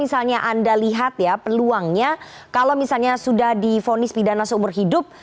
misalnya anda lihat ya peluangnya kalau misalnya sudah difonis pidana seumur hidup